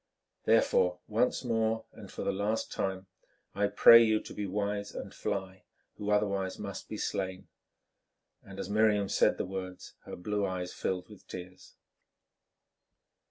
Therefore, once more, and for the last time, I pray you to be wise and fly—who otherwise must be slain"; and as Miriam said the words her blue eyes filled with tears.